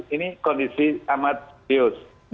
ini kondisi amat bius